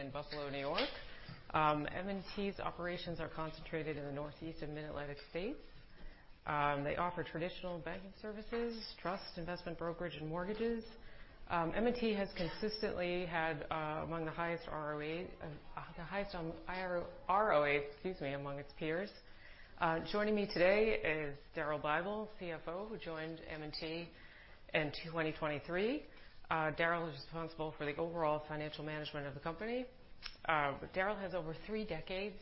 in Buffalo, New York. M&T's operations are concentrated in the Northeast and Mid-Atlantic states. They offer traditional banking services, trust, investment brokerage, and mortgages. M&T has consistently had among the highest ROA among its peers. Joining me today is Daryl Bible, CFO, who joined M&T in 2023. Daryl is responsible for the overall financial management of the company. Daryl has over three decades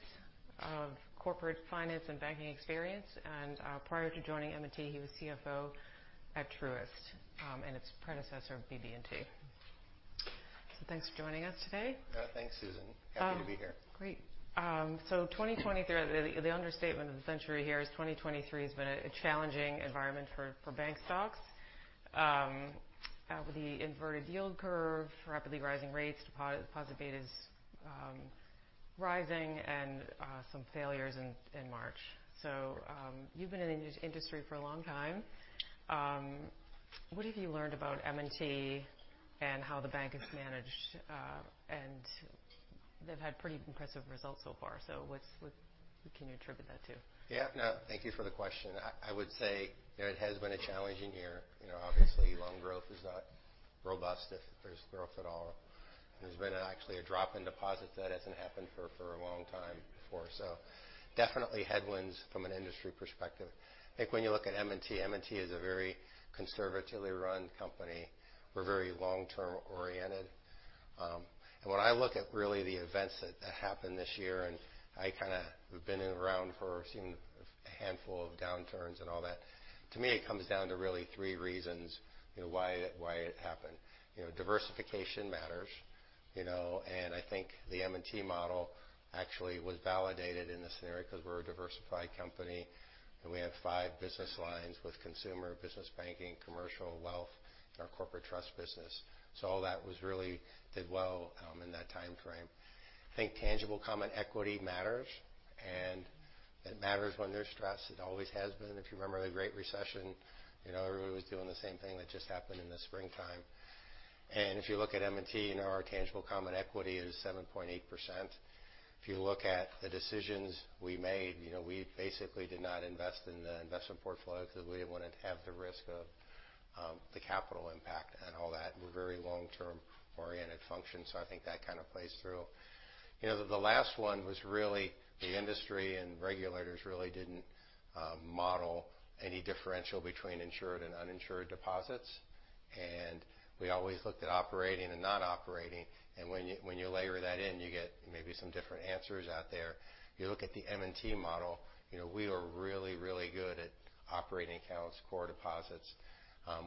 of corporate finance and banking experience, and prior to joining M&T, he was CFO at Truist, and its predecessor, BB&T. Thanks for joining us today. Thanks, Susan. Um. Happy to be here. Great. So 2023, the understatement of the century here is 2023 has been a challenging environment for bank stocks. With the inverted yield curve, rapidly rising rates, deposit betas, rising, and some failures in March. So, you've been in industry for a long time. What have you learned about M&T and how the bank is managed? And they've had pretty impressive results so far. So what can you attribute that to? Yeah, no, thank you for the question. I, I would say, you know, it has been a challenging year. You know, obviously, loan growth is not robust, if there's growth at all. There's been actually a drop in deposits. That hasn't happened for, for a long time before. So definitely headwinds from an industry perspective. I think when you look at M&T, M&T is a very conservatively run company. We're very long-term oriented. And when I look at really the events that, that happened this year, and I kind of have been around for seeing a handful of downturns and all that, to me, it comes down to really three reasons, you know, why it, why it happened. You know, diversification matters, you know, and I think the M&T model actually was validated in this scenario because we're a diversified company, and we have five business lines with consumer, business banking, commercial, wealth, and our corporate trust business. So all that really did well in that time frame. I think tangible common equity matters, and it matters when there's stress. It always has been. If you remember the Great Recession, you know, everybody was doing the same thing that just happened in the springtime. And if you look at M&T, you know, our tangible common equity is 7.8%. If you look at the decisions we made, you know, we basically did not invest in the investment portfolio because we didn't want to have the risk of the capital impact and all that. We're very long-term oriented function, so I think that kind of plays through. You know, the last one was really the industry and regulators really didn't model any differential between insured and uninsured deposits, and we always looked at operating and not operating, and when you layer that in, you get maybe some different answers out there. If you look at the M&T model, you know, we are really, really good at operating accounts, core deposits.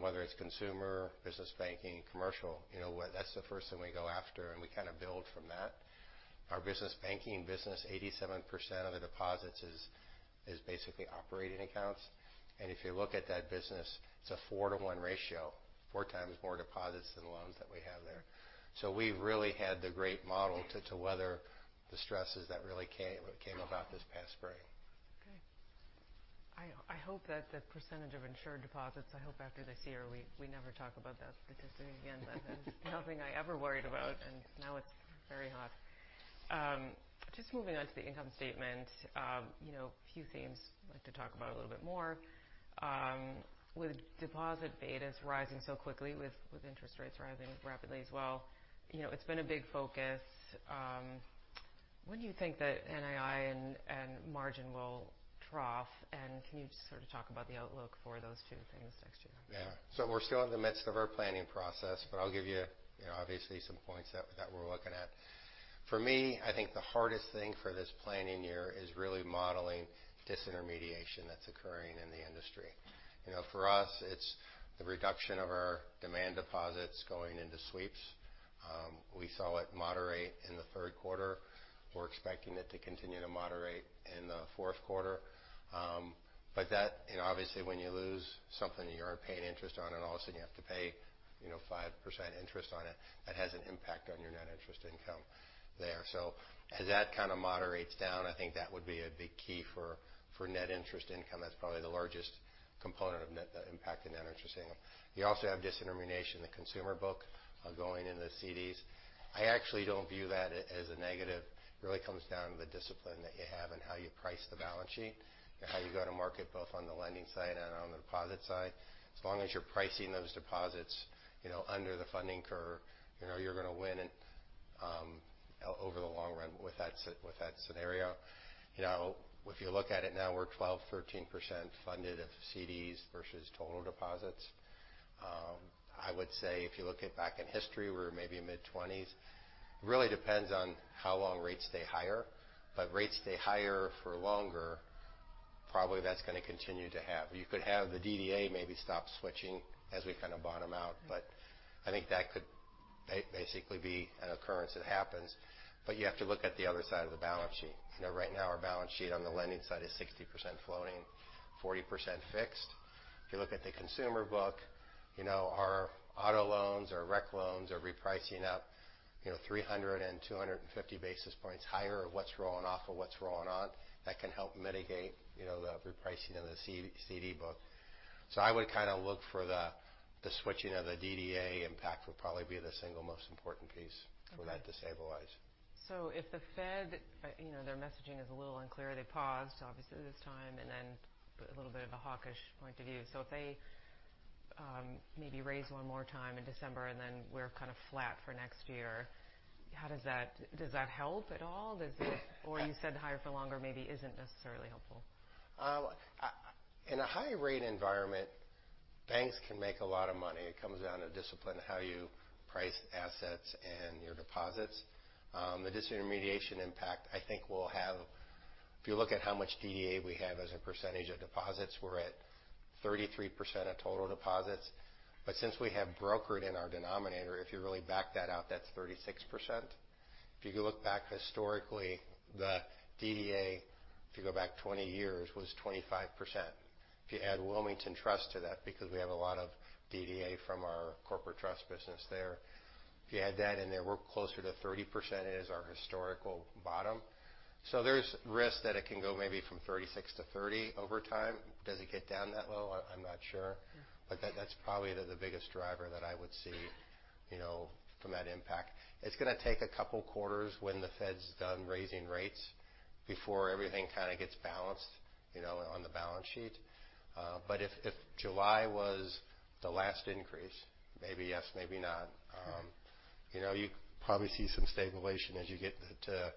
Whether it's consumer, business banking, commercial, you know, that's the first thing we go after, and we kind of build from that. Our business banking business, 87% of the deposits is basically operating accounts. And if you look at that business, it's a 4:1 ratio, four times more deposits than loans that we have there. We've really had the great model to weather the stresses that really came about this past spring. Okay. I hope that the percentage of insured deposits, I hope after this year, we never talk about that statistic again. That is nothing I ever worried about, and now it's very hot. Just moving on to the income statement. You know, a few things I'd like to talk about a little bit more. With deposit betas rising so quickly, with interest rates rising rapidly as well, you know, it's been a big focus. When do you think that NII and margin will trough, and can you just sort of talk about the outlook for those two things next year? Yeah. So we're still in the midst of our planning process, but I'll give you, you know, obviously some points that, that we're looking at. For me, I think the hardest thing for this planning year is really modeling disintermediation that's occurring in the industry. You know, for us, it's the reduction of our demand deposits going into sweeps. We saw it moderate in the third quarter. We're expecting it to continue to moderate in the fourth quarter. But that... And obviously, when you lose something you aren't paying interest on, and all of a sudden, you have to pay, you know, 5% interest on it, that has an impact on your net interest income there. So as that kind of moderates down, I think that would be a big key for, for net interest income. That's probably the largest component of net impact in net interest income. You also have disintermediation in the consumer book going into the CDs. I actually don't view that as a negative. It really comes down to the discipline that you have and how you price the balance sheet and how you go to market, both on the lending side and on the deposit side. As long as you're pricing those deposits, you know, under the funding curve, you know, you're going to win over the long run with that scenario. You know, if you look at it now, we're 12%-13% funded of CDs versus total deposits. I would say if you look back in history, we're maybe mid-20s. It really depends on how long rates stay higher, but rates stay higher for longer, probably that's going to continue to have. You could have the DDA maybe stop switching as we kind of bottom out, but I think that could basically be an occurrence that happens. But you have to look at the other side of the balance sheet. You know, right now, our balance sheet on the lending side is 60% floating, 40% fixed. If you look at the consumer book, you know, our auto loans, our rec loans are repricing up, you know, 300 and 250 basis points higher of what's rolling off of what's rolling on. That can help mitigate, you know, the repricing of the CD, CD book. So I would kind of look for the-... the switching of the DDA impact will probably be the single most important piece- Okay. -for that to stabilize. So if the Fed, you know, their messaging is a little unclear. They paused, obviously, this time, and then a little bit of a hawkish point of view. So if they maybe raise one more time in December, and then we're kind of flat for next year, how does that help at all? Does it? Or you said higher for longer maybe isn't necessarily helpful. In a high rate environment, banks can make a lot of money. It comes down to discipline, how you price assets and your deposits. The disintermediation impact, I think, will have... If you look at how much DDA we have as a percentage of deposits, we're at 33% of total deposits. But since we have brokered in our denominator, if you really back that out, that's 36%. If you look back historically, the DDA, if you go back 20 years, was 25%. If you add Wilmington Trust to that, because we have a lot of DDA from our corporate trust business there, if you add that in there, we're closer to 30% is our historical bottom. So there's risk that it can go maybe from 36% to 30% over time. Does it get down that low? I, I'm not sure. Mm-hmm. But that, that's probably the biggest driver that I would see, you know, from that impact. It's going to take a couple quarters when the Fed's done raising rates before everything kind of gets balanced, you know, on the balance sheet. But if July was the last increase, maybe yes, maybe not, you know, you probably see some stabilization as you get into,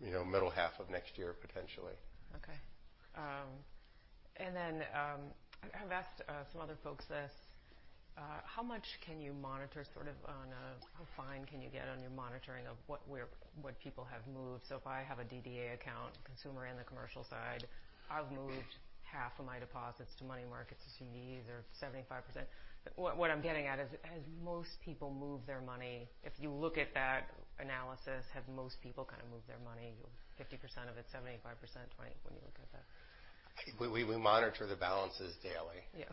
you know, middle half of next year, potentially. Okay. And then, I've asked some other folks this, how much can you monitor, sort of, how fine can you get on your monitoring of what, where, what people have moved? So if I have a DDA account, consumer and the commercial side, I've moved half of my deposits to money markets, to CDs, or 75%. What, what I'm getting at is, has most people moved their money? If you look at that analysis, have most people kind of moved their money, 50% of it, 75%, 20%, when you look at that? We monitor the balances daily. Yeah.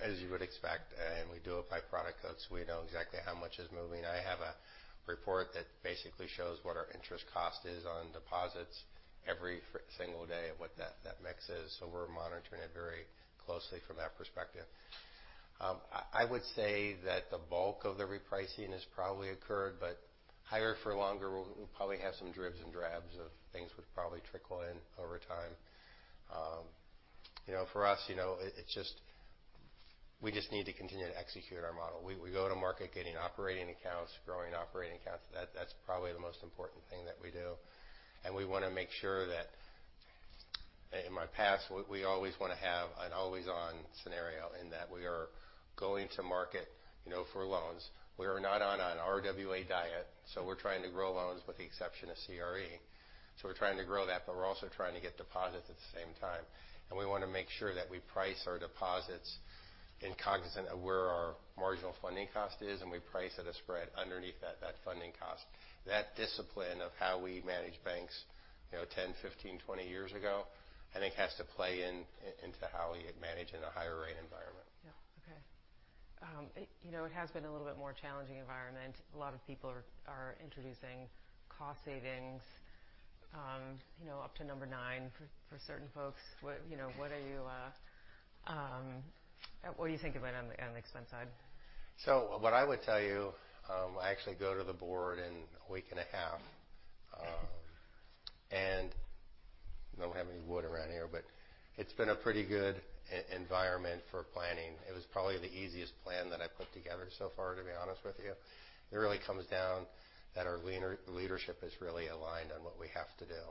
As you would expect, and we do it by product codes, we know exactly how much is moving. I have a report that basically shows what our interest cost is on deposits every single day and what that mix is, so we're monitoring it very closely from that perspective. I would say that the bulk of the repricing has probably occurred, but higher for longer, we'll probably have some dribs and drabs of things which probably trickle in over time. You know, for us, you know, it just... We just need to continue to execute our model. We go to market getting operating accounts, growing operating accounts, that's probably the most important thing that we do. And we want to make sure that, in my past, we always want to have an always-on scenario in that we are going to market, you know, for loans. We are not on an RWA diet, so we're trying to grow loans with the exception of CRE. So we're trying to grow that, but we're also trying to get deposits at the same time. And we want to make sure that we price our deposits cognizant of where our marginal funding cost is, and we price at a spread underneath that funding cost. That discipline of how we manage banks, you know, 10, 15, 20 years ago, I think, has to play into how we manage in a higher rate environment. Yeah. Okay. You know, it has been a little bit more challenging environment. A lot of people are introducing cost savings, you know, up to number nine for certain folks. What, you know, what do you think about on the expense side? So what I would tell you, I actually go to the board in a week and a half. Mm-hmm. And we don't have any wood around here, but it's been a pretty good environment for planning. It was probably the easiest plan that I've put together so far, to be honest with you. It really comes down that our leadership is really aligned on what we have to do.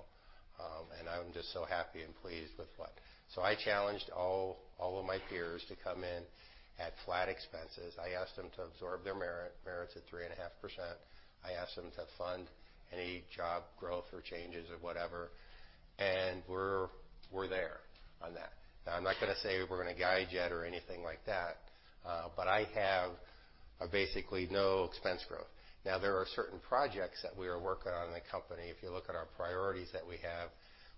And I'm just so happy and pleased with what... So I challenged all, all of my peers to come in at flat expenses. I asked them to absorb their merit, merits at 3.5%. I asked them to fund any job growth or changes or whatever, and we're, we're there on that. Now, I'm not going to say we're going to guide yet or anything like that, but I have basically no expense growth. Now, there are certain projects that we are working on in the company. If you look at our priorities that we have,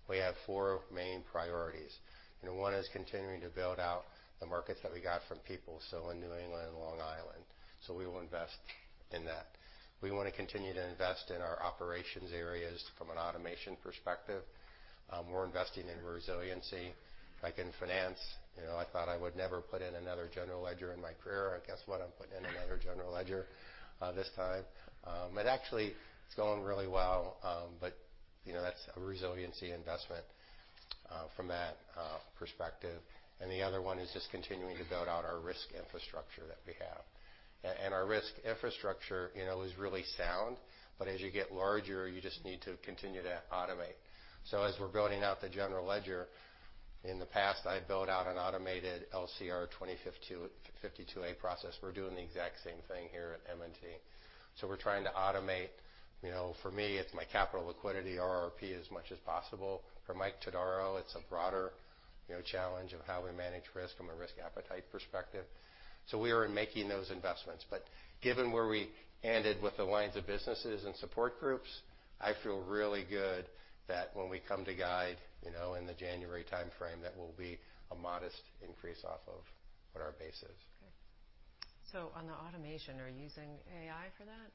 we have four main priorities. One is continuing to build out the markets that we got from people, so in New England and Long Island, so we will invest in that. We want to continue to invest in our operations areas from an automation perspective. We're investing in resiliency. Like in finance, you know, I thought I would never put in another general ledger in my career. And guess what? I'm putting in another general ledger, this time. It actually is going really well, but you know, that's a resiliency investment, from that, perspective. The other one is just continuing to build out our risk infrastructure that we have. Our risk infrastructure, you know, is really sound, but as you get larger, you just need to continue to automate. So as we're building out the general ledger, in the past, I built out an automated LCR 2052, 52a process. We're doing the exact same thing here at M&T. So we're trying to automate, you know, for me, it's my capital liquidity, RRP, as much as possible. For Mike Todaro, it's a broader, you know, challenge of how we manage risk from a risk appetite perspective. So we are making those investments. But given where we ended with the lines of businesses and support groups, I feel really good that when we come to guide, you know, in the January time frame, that will be a modest increase off of what our base is. Okay. So on the automation, are you using AI for that?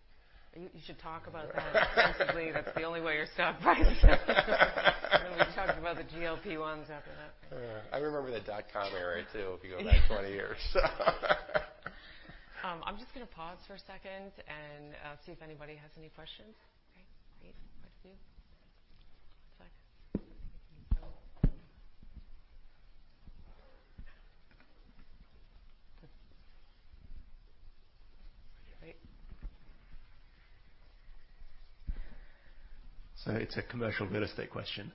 You should talk about that extensively. That's the only way you're stopped by... We talked about the GLP-1 after that. Yeah. I remember the dotcom era, too, if you go back 20 years. I'm just going to pause for a second and see if anybody has any questions.... Great, thank you. So it's a commercial real estate question.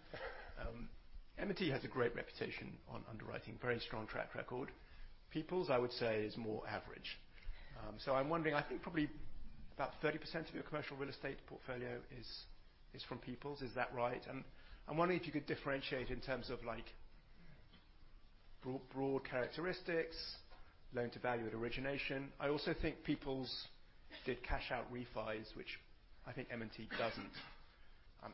M&T has a great reputation on underwriting, very strong track record. People's, I would say, is more average. So I'm wondering, I think probably about 30% of your commercial real estate portfolio is, is from People's. Is that right? And I'm wondering if you could differentiate in terms of, like, broad, broad characteristics, loan-to-value at origination. I also think People's did cash-out refis, which I think M&T doesn't.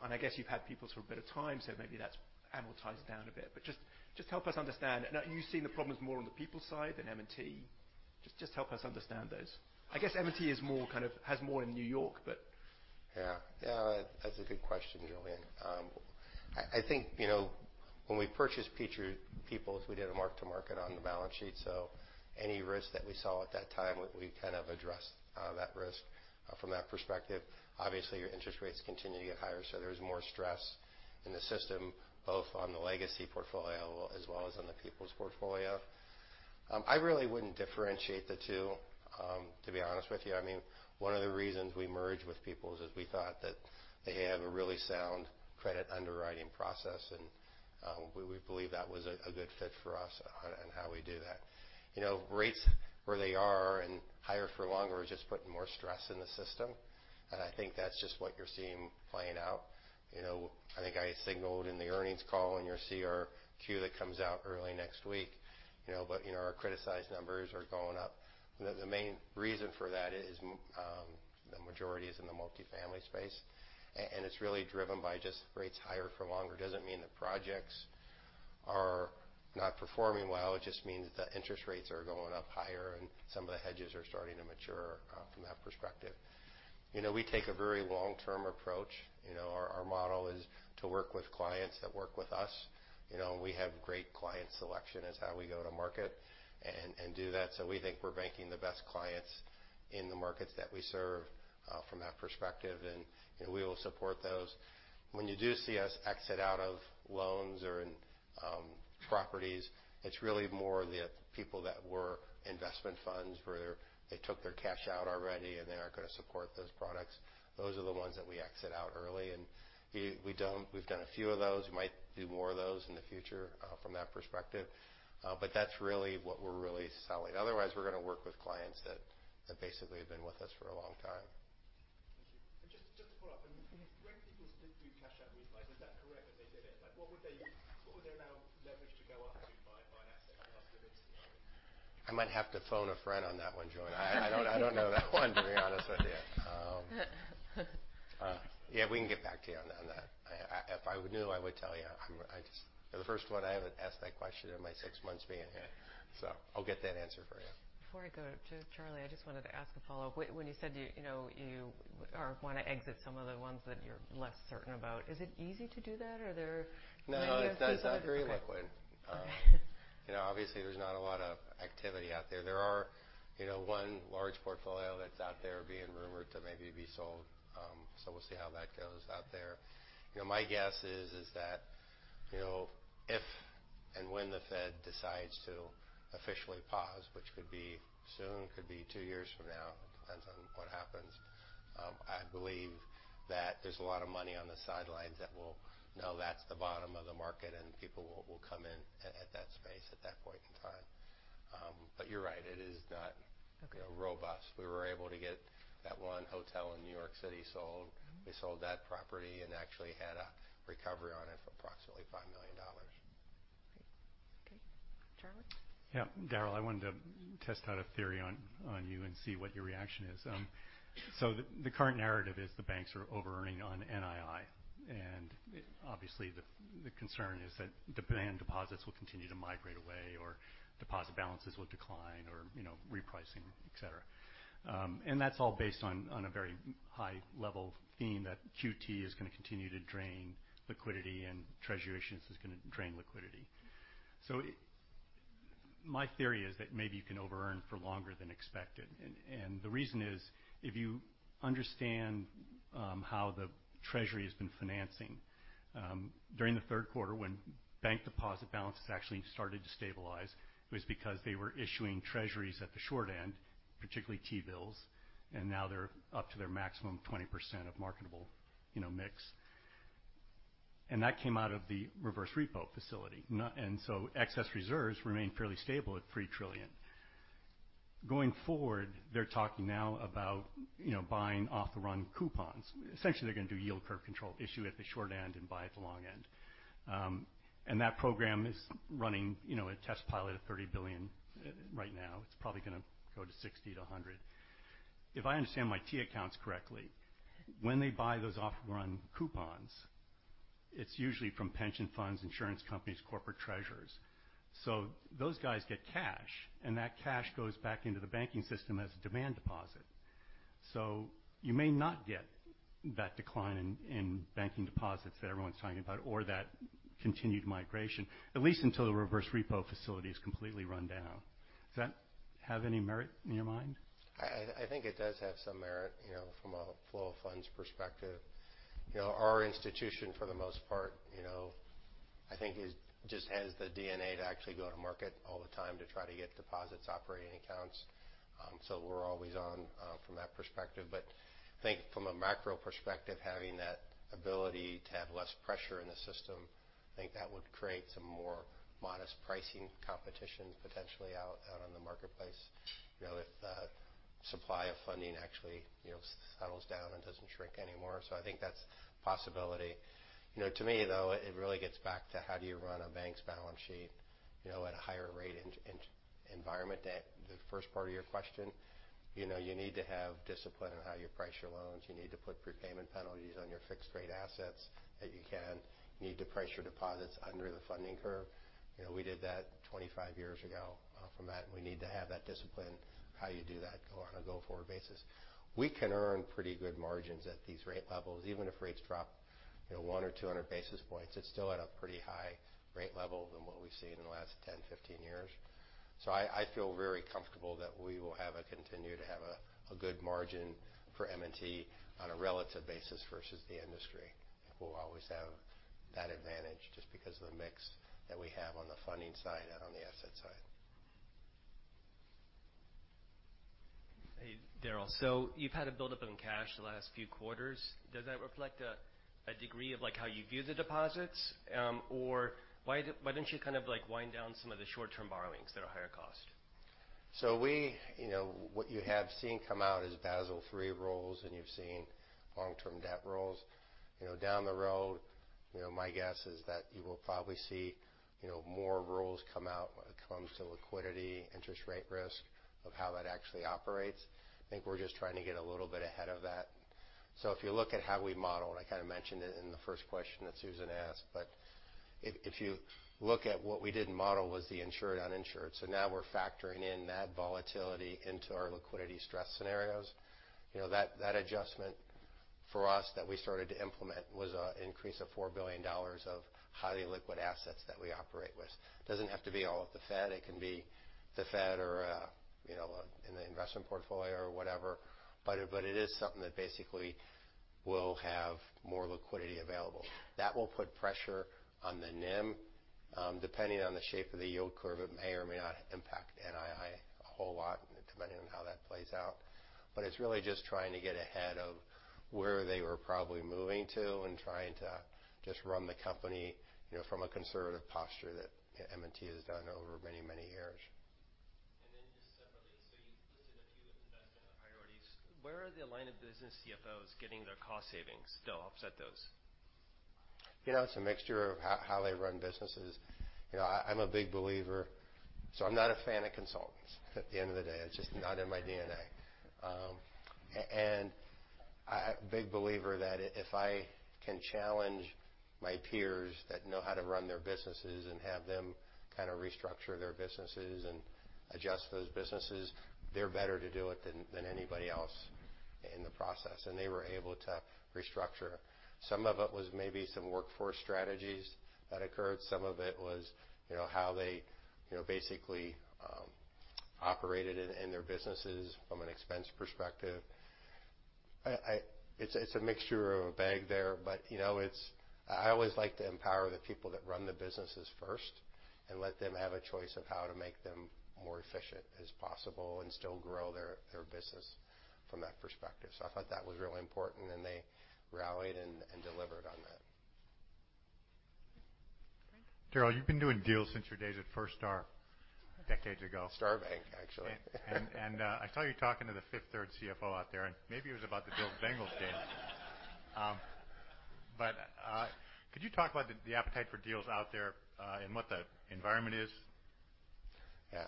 And I guess you've had People's for a bit of time, so maybe that's amortized down a bit. But just, just help us understand. Now, you've seen the problems more on the People's side than M&T? Just, just help us understand those. I guess M&T is more kind of—has more in New York, but. Yeah. Yeah, that's a good question, Julian. I think, you know, when we purchased People's, we did a mark to market on the balance sheet, so any risk that we saw at that time, we kind of addressed that risk from that perspective. Obviously, your interest rates continue to get higher, so there's more stress in the system, both on the legacy portfolio as well as on the People's portfolio. I really wouldn't differentiate the two, to be honest with you. I mean, one of the reasons we merged with People's is we thought that they have a really sound credit underwriting process, and we believe that was a good fit for us in how we do that. You know, rates where they are and higher for longer, is just putting more stress in the system, and I think that's just what you're seeing playing out. You know, I think I signaled in the earnings call in your CRQ that comes out early next week, you know, but, you know, our criticized numbers are going up. The main reason for that is, the majority is in the multifamily space, and it's really driven by just rates higher for longer. Doesn't mean the projects are not performing well, it just means the interest rates are going up higher, and some of the hedges are starting to mature, from that perspective. You know, we take a very long-term approach. You know, our model is to work with clients that work with us. You know, we have great client selection as how we go to market and do that, so we think we're banking the best clients in the markets that we serve, from that perspective, and we will support those. When you do see us exit out of loans or in properties, it's really more the people that were investment funds, where they took their cash out already, and they aren't going to support those products. Those are the ones that we exit out early, and we don't—we've done a few of those. We might do more of those in the future, from that perspective, but that's really what we're really selling. Otherwise, we're going to work with clients that basically have been with us for a long time. Thank you. Just to follow up, when People's did do cash out refi, is that correct that they did it? Like, what would they allow leverage to go up to by an asset class limits? I might have to phone a friend on that one, Julian. I don't know that one, to be honest with you. Yeah, we can get back to you on that. If I knew, I would tell you. I just... For the first one, I haven't asked that question in my six months being here, so I'll get that answer for you. Before I go to Charlie, I just wanted to ask a follow-up. When you said, you know, you want to exit some of the ones that you're less certain about, is it easy to do that, or are there- No, it's not very liquid. Okay. You know, obviously there's not a lot of activity out there. There are, you know, one large portfolio that's out there being rumored to maybe be sold, so we'll see how that goes out there. You know, my guess is, is that, you know, if and when the Fed decides to officially pause, which could be soon, could be two years from now, it depends on what happens. I believe that there's a lot of money on the sidelines that will know that's the bottom of the market, and people will, will come in at, at that space at that point in time. But you're right, it is not- Okay... robust. We were able to get that one hotel in New York City sold. Mm-hmm. We sold that property and actually had a recovery on it for approximately $5 million. Great. Okay. Charlie? Yeah. Daryl, I wanted to test out a theory on, on you and see what your reaction is. So the current narrative is the banks are overearning on NII, and obviously, the concern is that demand deposits will continue to migrate away or deposit balances will decline or, you know, repricing, et cetera. And that's all based on a very high level theme that QT is going to continue to drain liquidity and Treasury issuance is going to drain liquidity. So my theory is that maybe you can overearn for longer than expected. And the reason is, if you understand how the Treasury has been financing during the third quarter, when bank deposit balances actually started to stabilize, it was because they were issuing treasuries at the short end, particularly T-bills, and now they're up to their maximum 20% of marketable, you know, mix. And that came out of the reverse repo facility. And so excess reserves remain fairly stable at $3 trillion. Going forward, they're talking now about, you know, buying off-the-run coupons. Essentially, they're going to do yield curve control, issue at the short end and buy at the long end. And that program is running, you know, a test pilot of $30 billion right now. It's probably going to go to $60 billion-$100 billion. If I understand my T accounts correctly, when they buy those off-the-run coupons, it's usually from pension funds, insurance companies, corporate treasurers. So those guys get cash, and that cash goes back into the banking system as a demand deposit. So you may not get that decline in banking deposits that everyone's talking about or that continued migration, at least until the reverse repo facility is completely run down. Is that correct?... have any merit in your mind? I think it does have some merit, you know, from a flow of funds perspective. You know, our institution, for the most part, you know, I think is just has the DNA to actually go to market all the time to try to get deposits, operating accounts. So we're always on from that perspective. But I think from a macro perspective, having that ability to have less pressure in the system, I think that would create some more modest pricing competitions potentially out on the marketplace. You know, if the supply of funding actually, you know, settles down and doesn't shrink anymore. So I think that's a possibility. You know, to me, though, it really gets back to: How do you run a bank's balance sheet, you know, at a higher rate environment? The first part of your question, you know, you need to have discipline on how you price your loans. You need to put prepayment penalties on your fixed rate assets that you can. You need to price your deposits under the funding curve. You know, we did that 25 years ago. From that, we need to have that discipline, how you do that on a go-forward basis. We can earn pretty good margins at these rate levels. Even if rates drop, you know, one or two hundred basis points, it's still at a pretty high rate level than what we've seen in the last 10, 15 years. So I feel very comfortable that we will continue to have a good margin for M&T on a relative basis versus the industry. We'll always have that advantage just because of the mix that we have on the funding side and on the asset side. Hey, Daryl. So you've had a buildup in cash the last few quarters. Does that reflect a degree of, like, how you view the deposits? Or why don't you kind of, like, wind down some of the short-term borrowings that are higher cost? So we, you know, what you have seen come out is Basel III rules, and you've seen long-term debt rules. You know, down the road, you know, my guess is that you will probably see, you know, more rules come out when it comes to liquidity, interest rate risk, of how that actually operates. I think we're just trying to get a little bit ahead of that. So if you look at how we model, and I kind of mentioned it in the first question that Susan asked, but if you look at what we didn't model was the insured, uninsured. So now we're factoring in that volatility into our liquidity stress scenarios. You know, that, that adjustment for us that we started to implement was a increase of $4 billion of highly liquid assets that we operate with. Doesn't have to be all with the Fed. It can be the Fed or, you know, in the investment portfolio or whatever, but it, but it is something that basically will have more liquidity available. That will put pressure on the NIM. Depending on the shape of the yield curve, it may or may not impact NII a whole lot, depending on how that plays out. But it's really just trying to get ahead of where they were probably moving to and trying to just run the company, you know, from a conservative posture that M&T has done over many, many years. And then just separately, so you listed a few investment priorities. Where are the line of business CFOs getting their cost savings, to offset those? You know, it's a mixture of how they run businesses. You know, I'm a big believer. So I'm not a fan of consultants. At the end of the day, it's just not in my DNA. And I'm a big believer that if I can challenge my peers that know how to run their businesses and have them kind of restructure their businesses and adjust those businesses, they're better to do it than anybody else in the process, and they were able to restructure. Some of it was maybe some workforce strategies that occurred. Some of it was, you know, how they, you know, basically, operated in their businesses from an expense perspective. It's a mixture of a bag there, but, you know, I always like to empower the people that run the businesses first and let them have a choice of how to make them more efficient as possible and still grow their business from that perspective. So I thought that was really important, and they rallied and delivered on that. Daryl, you've been doing deals since your days at Firstar, decades ago. Star Bank, actually. I saw you talking to the Fifth Third CFO out there, and maybe it was about the Bills-Bengals game. But could you talk about the appetite for deals out there, and what the environment is? Yeah.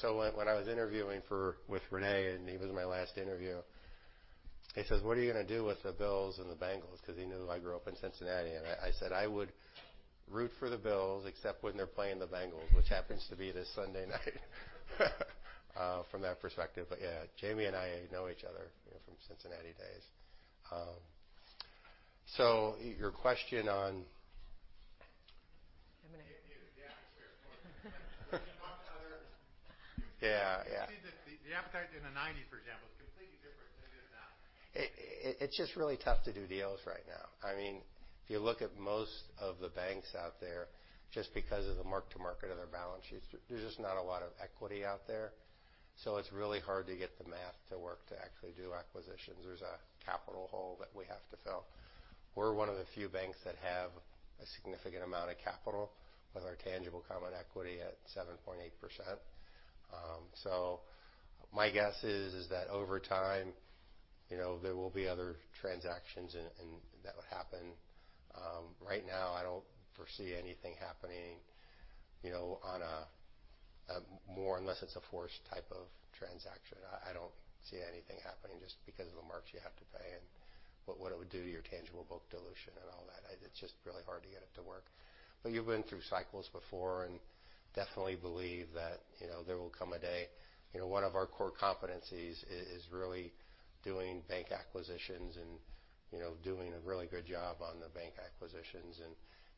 So when I was interviewing with René, and he was my last interview, he says: "What are you going to do with the Bills and the Bengals?" Because he knew I grew up in Cincinnati. And I said, "I would root for the Bills, except when they're playing the Bengals," which happens to be this Sunday night from that perspective. But yeah, Jamie and I know each other, you know, from Cincinnati days. So your question on- I'm going to- Yeah, sure. Yeah. Yeah. The appetite in the 1990s, for example, is completely different than it is now. It's just really tough to do deals right now. I mean, if you look at most of the banks out there, just because of the mark to market of their balance sheets, there's just not a lot of equity out there. So it's really hard to get the math to work to actually do acquisitions. There's a capital hole that we have to fill. We're one of the few banks that have a significant amount of capital, with our tangible common equity at 7.8%. So my guess is that over time, you know, there will be other transactions and that would happen. Right now, I don't foresee anything happening, you know, on a more—unless it's a forced type of transaction. I don't see anything happening just because of the marks you have to pay and what it would do to your tangible book dilution and all that. It's just really hard to get it to work. But you've been through cycles before and definitely believe that, you know, there will come a day. You know, one of our core competencies is really doing bank acquisitions and, you know, doing a really good job on the bank acquisitions, and,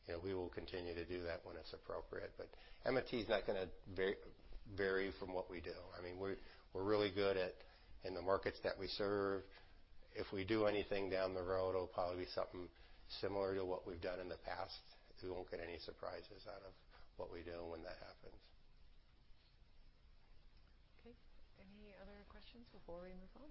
you know, we will continue to do that when it's appropriate. But M&T is not going to vary from what we do. I mean, we're really good at, in the markets that we serve.... If we do anything down the road, it'll probably be something similar to what we've done in the past. You won't get any surprises out of what we do when that happens. Okay. Any other questions before we move on?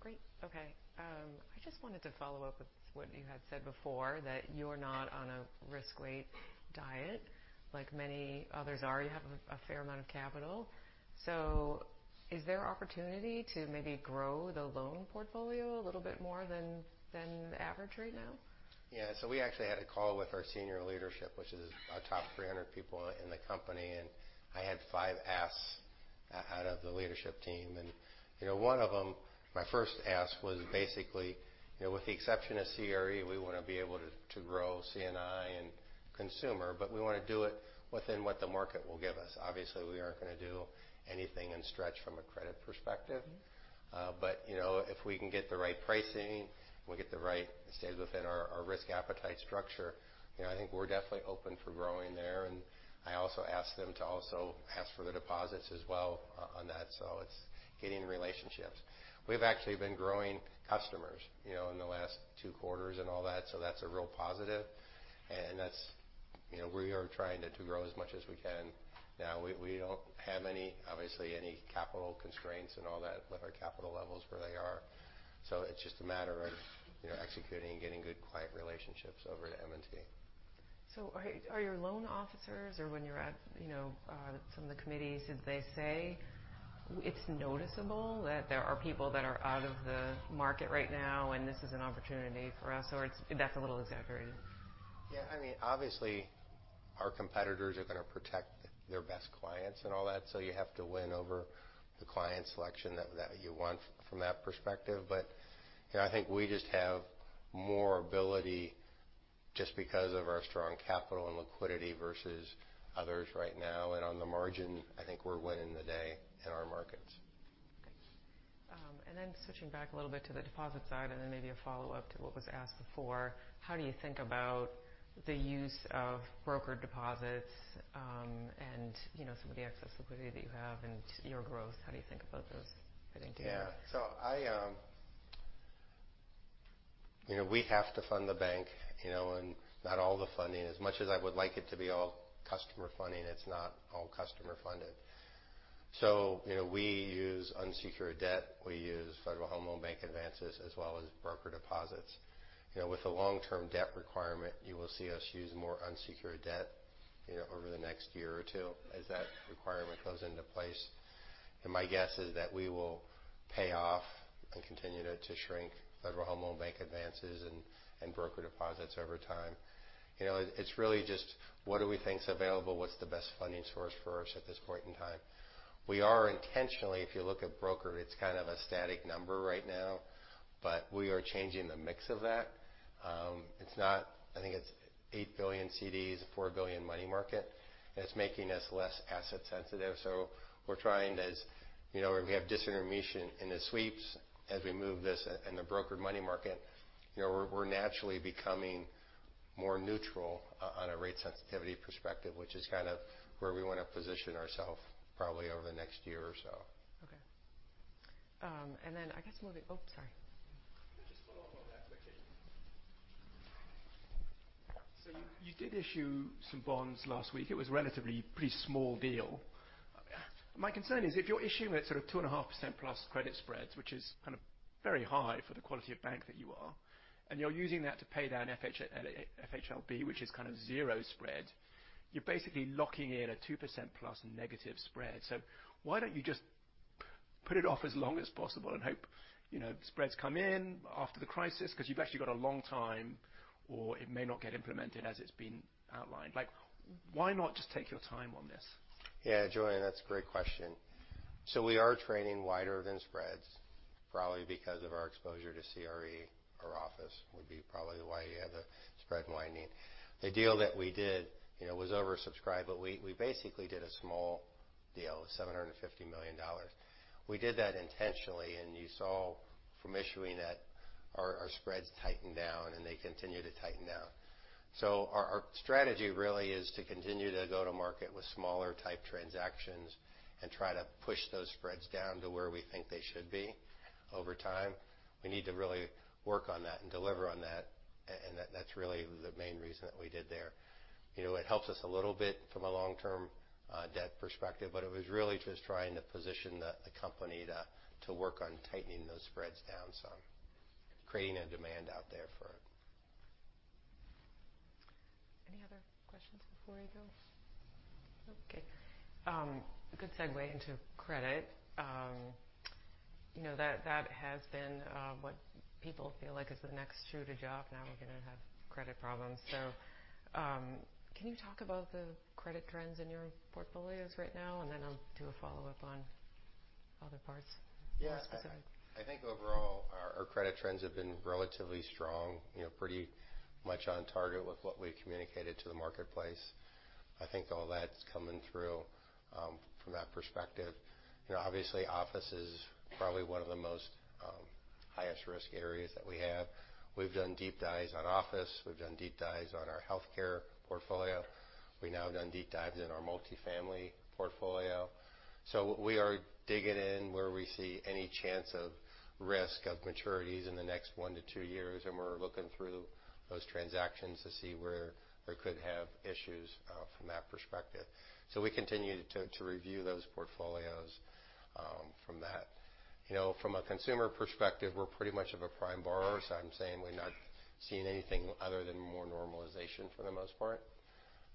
Great. Okay, I just wanted to follow up with what you had said before, that you're not on a risk-weight diet, like many others are. You have a fair amount of capital. So is there opportunity to maybe grow the loan portfolio a little bit more than the average right now? Yeah. So we actually had a call with our senior leadership, which is our top 300 people in the company, and I had five asks out of the leadership team. And, you know, one of them, my first ask was basically, you know, with the exception of CRE, we want to be able to, to grow C&I and consumer, but we want to do it within what the market will give us. Obviously, we aren't going to do anything and stretch from a credit perspective. Mm-hmm. But, you know, if we can get the right pricing, we get the right stays within our risk appetite structure, you know, I think we're definitely open for growing there. And I also asked them to also ask for the deposits as well on that, so it's getting relationships. We've actually been growing customers, you know, in the last two quarters and all that, so that's a real positive. And that's... You know, we are trying to grow as much as we can. Now, we don't have any, obviously, capital constraints and all that with our capital levels where they are. So it's just a matter of, you know, executing and getting good client relationships over at M&T. So, are your loan officers or, when you're at, you know, some of the committees, did they say it's noticeable that there are people that are out of the market right now, and this is an opportunity for us, or it's, that's a little exaggerated? Yeah, I mean, obviously, our competitors are going to protect their best clients and all that, so you have to win over the client selection that you want from that perspective. But, you know, I think we just have more ability just because of our strong capital and liquidity versus others right now. And on the margin, I think we're winning the day in our markets. Okay. And then switching back a little bit to the deposit side and then maybe a follow-up to what was asked before: How do you think about the use of broker deposits, and, you know, some of the excess liquidity that you have and your growth? How do you think about those fitting together? Yeah. So I... You know, we have to fund the bank, you know, and not all the funding. As much as I would like it to be all customer funding, it's not all customer funded. So, you know, we use unsecured debt, we use Federal Home Loan Bank advances, as well as broker deposits. You know, with the long-term debt requirement, you will see us use more unsecured debt, you know, over the next year or two, as that requirement goes into place. And my guess is that we will pay off and continue to shrink Federal Home Loan Bank advances and broker deposits over time. You know, it's really just what do we think is available, what's the best funding source for us at this point in time? We are intentionally, if you look at brokered, it's kind of a static number right now, but we are changing the mix of that. It's not, I think it's $8 billion CDs, $4 billion money market, and it's making us less asset sensitive. So we're trying to, as, you know, we have disintermediation in the sweeps as we move this in the brokered money market. You know, we're, we're naturally becoming more neutral on a rate sensitivity perspective, which is kind of where we want to position ourselves probably over the next year or so. Okay. And then I guess moving. Oh, sorry. Just to follow up on that quickly. So you, you did issue some bonds last week. It was a relatively pretty small deal. My concern is, if you're issuing at sort of 2.5%+ credit spreads, which is kind of very high for the quality of bank that you are, and you're using that to pay down FHLB, which is kind of zero spread, you're basically locking in a 2%+ negative spread. So why don't you just put it off as long as possible and hope, you know, spreads come in after the crisis? Because you've actually got a long time, or it may not get implemented as it's been outlined. Like, why not just take your time on this? Yeah, Julian, that's a great question. So we are trading wider than spreads, probably because of our exposure to CRE or office, would be probably why you have the spread widening. The deal that we did, you know, was oversubscribed, but we basically did a small deal, $750 million. We did that intentionally, and you saw from issuing that, our spreads tightened down, and they continue to tighten down. So our strategy really is to continue to go to market with smaller type transactions and try to push those spreads down to where we think they should be over time. We need to really work on that and deliver on that, and that's really the main reason that we did there. You know, it helps us a little bit from a long-term debt perspective, but it was really just trying to position the company to work on tightening those spreads down some. Creating a demand out there for it. Any other questions before we go? Okay. A good segue into credit. You know, that has been what people feel like is the next shoe to drop. Now we're going to have credit problems. So, can you talk about the credit trends in your portfolios right now? And then I'll do a follow-up on other parts. Yeah. Sorry. I think overall, our credit trends have been relatively strong, you know, pretty much on target with what we communicated to the marketplace. I think all that's coming through, from that perspective. You know, obviously, office is probably one of the most, highest risk areas that we have. We've done deep dives on office. We've done deep dives on our healthcare portfolio. We've now done deep dives in our multifamily portfolio.... So we are digging in where we see any chance of risk of maturities in the next one to two years, and we're looking through those transactions to see where they could have issues, from that perspective. So we continue to review those portfolios, from that. You know, from a consumer perspective, we're pretty much of a prime borrower, so I'm saying we're not seeing anything other than more normalization for the most part.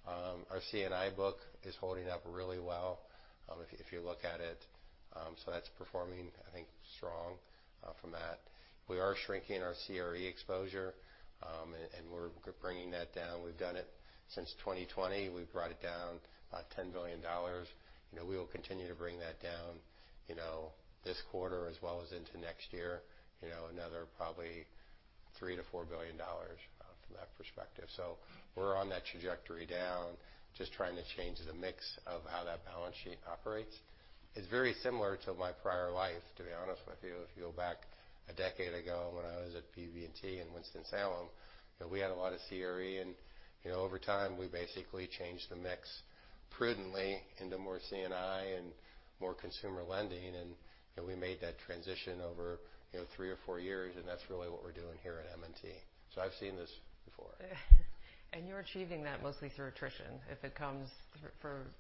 Our C&I book is holding up really well, if you look at it. So that's performing, I think, strong, from that. We are shrinking our CRE exposure, and we're bringing that down. We've done it since 2020. We've brought it down about $10 billion. You know, we will continue to bring that down, you know, this quarter as well as into next year, you know, another probably $3 billion-$4 billion, from that perspective. So we're on that trajectory down, just trying to change the mix of how that balance sheet operates. It's very similar to my prior life, to be honest with you. If you go back a decade ago, when I was at BB&T in Winston-Salem, you know, we had a lot of CRE, and, you know, over time, we basically changed the mix prudently into more C&I and more consumer lending, and we made that transition over, you know, three or four years, and that's really what we're doing here at M&T. So I've seen this before. You're achieving that mostly through attrition. If it comes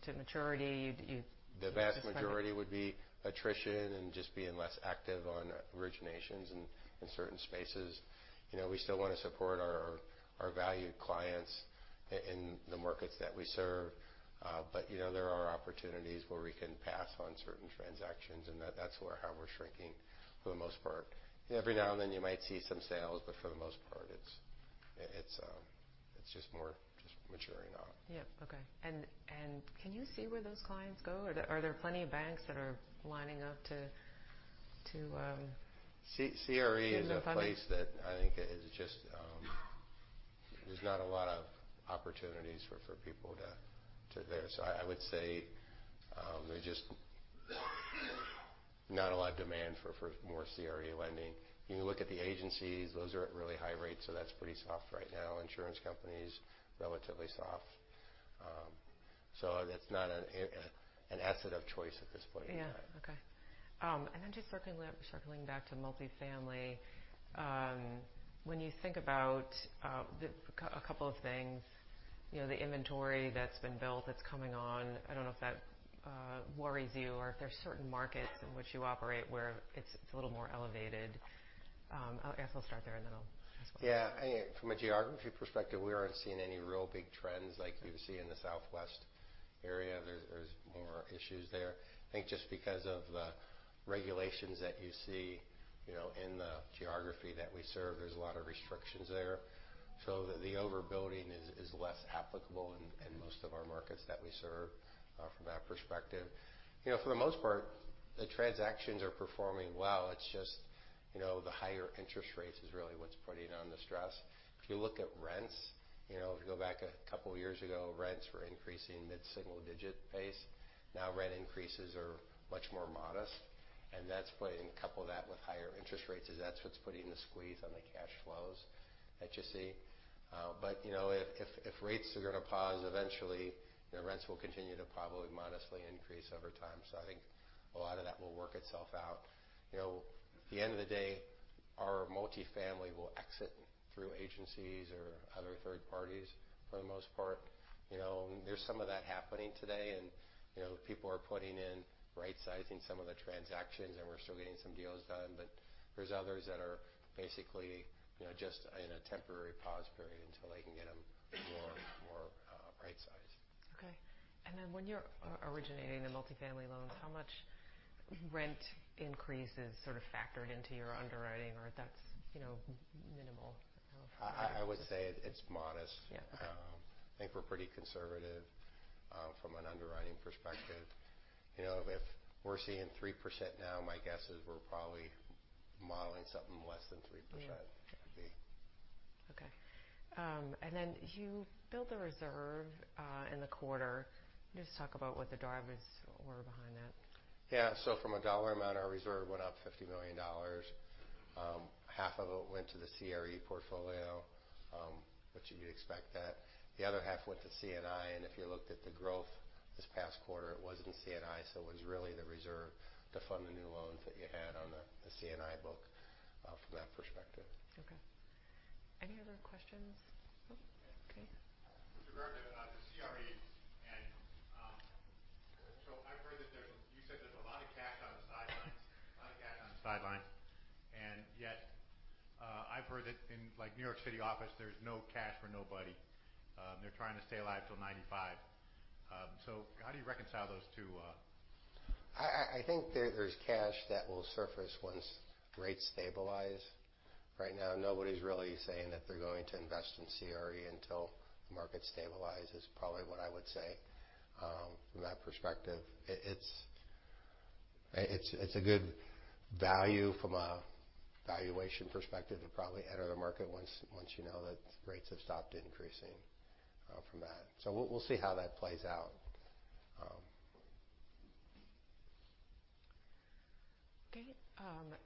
to maturity, you'd you- The vast majority would be attrition and just being less active on originations in certain spaces. You know, we still want to support our valued clients in the markets that we serve, but, you know, there are opportunities where we can pass on certain transactions, and that's how we're shrinking for the most part. Every now and then, you might see some sales, but for the most part, it's just more just maturing out. Yeah. Okay. And can you see where those clients go, or are there plenty of banks that are lining up to, CRE- Doing the funding? is a place that I think is just... There's not a lot of opportunities for people to there. So I would say, there's just not a lot of demand for more CRE lending. You look at the agencies, those are at really high rates, so that's pretty soft right now. Insurance companies, relatively soft. So it's not an asset of choice at this point in time. Yeah. Okay. And then just circling back to multifamily. When you think about a couple of things, you know, the inventory that's been built, that's coming on, I don't know if that worries you or if there are certain markets in which you operate where it's a little more elevated. I guess I'll start there, and then I'll- Yeah. From a geography perspective, we aren't seeing any real big trends like you would see in the Southwest area. There's more issues there. I think just because of the regulations that you see, you know, in the geography that we serve, there's a lot of restrictions there. So the overbuilding is less applicable in most of our markets that we serve from that perspective. You know, for the most part, the transactions are performing well. It's just, you know, the higher interest rates is really what's putting on the stress. If you look at rents, you know, if you go back a couple of years ago, rents were increasing mid-single digit pace. Now, rent increases are much more modest, and that's playing—couple that with higher interest rates is that's what's putting the squeeze on the cash flows that you see. But, you know, if rates are going to pause eventually, the rents will continue to probably modestly increase over time. So I think a lot of that will work itself out. You know, at the end of the day, our multifamily will exit through agencies or other third parties for the most part. You know, there's some of that happening today, and, you know, people are putting in right-sizing some of the transactions, and we're still getting some deals done, but there's others that are basically, you know, just in a temporary pause period until they can get them more right-sized. Okay. And then when you're originating the multifamily loans, how much rent increase is sort of factored into your underwriting, or that's, you know, minimal? I would say it's modest. Yeah. I think we're pretty conservative, from an underwriting perspective. You know, if we're seeing 3% now, my guess is we're probably modeling something less than 3%. Yeah. Okay. Okay. And then you built the reserve in the quarter. Can you just talk about what the drivers were behind that? Yeah. So from a dollar amount, our reserve went up $50 million. Half of it went to the CRE portfolio, which you'd expect that. The other half went to C&I, and if you looked at the growth this past quarter, it was in C&I. So it was really the reserve to fund the new loans that you had on the, the C&I book, from that perspective. Okay. Any other questions? Okay. With regard to the CRE and... So I've heard that there's—you said there's a lot of cash on the sidelines, a lot of cash on the sidelines, and yet, I've heard that in, like, New York City office, there's no cash for nobody. So how do you reconcile those two? I think there's cash that will surface once rates stabilize. Right now, nobody's really saying that they're going to invest in CRE until the market stabilizes, probably what I would say. From that perspective, it's a good value from a valuation perspective to probably enter the market once you know that rates have stopped increasing, from that. So we'll see how that plays out. Okay.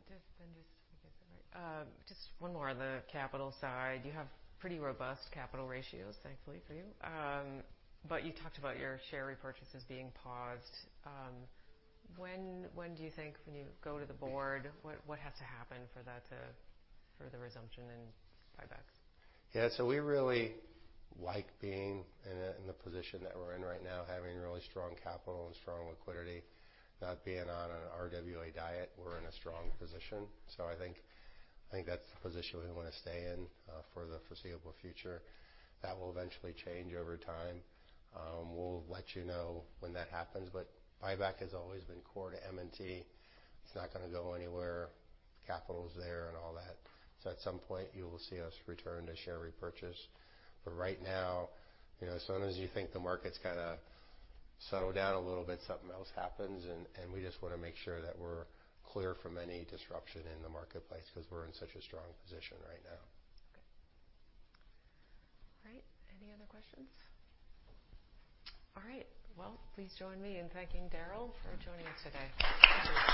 Just then, just to get that right. Just one more on the capital side. You have pretty robust capital ratios, thankfully, for you. But you talked about your share repurchases being paused. When do you think you go to the board, what has to happen for that to... For the resumption in buybacks? Yeah, so we really like being in a position that we're in right now, having really strong capital and strong liquidity. Not being on an RWA diet, we're in a strong position. So I think, I think that's the position we want to stay in for the foreseeable future. That will eventually change over time. We'll let you know when that happens, but buyback has always been core to M&T. It's not going to go anywhere. Capital is there and all that. So at some point, you will see us return to share repurchase. But right now, you know, as soon as you think the market's gotta settle down a little bit, something else happens, and we just want to make sure that we're clear from any disruption in the marketplace because we're in such a strong position right now. Okay. All right. Any other questions? All right. Well, please join me in thanking Daryl for joining us today.